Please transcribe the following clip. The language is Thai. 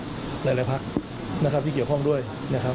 หลายพักนะครับที่เกี่ยวข้องด้วยนะครับ